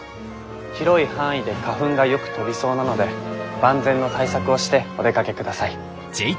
広い範囲で花粉がよく飛びそうなので万全の対策をしてお出かけください。